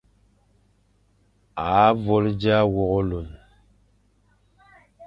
A vôl dia wôkh ôlun,